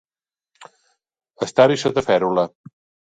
Estar-hi sota fèrula.